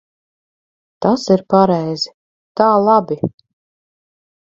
Tas ir pareizi. Tā labi.